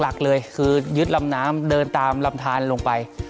หลักเลยคือยึดลำน้ำเดินตามลำทานลงไป